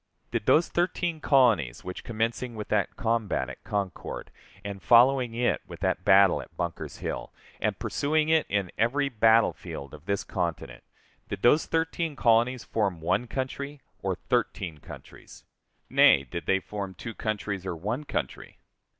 Did those thirteen colonies which, commencing with that combat at Concord, and following it with that battle at Bunker's Hill, and pursuing it in every battlefield of this continent, did those thirteen colonies form one country or thirteen countries? Nay, did they form two countries, or one country?